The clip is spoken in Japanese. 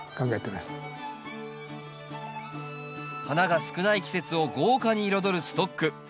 花が少ない季節を豪華に彩るストック。